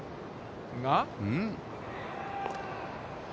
が。